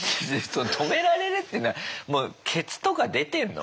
止められるっていうのはもうケツとか出てんの？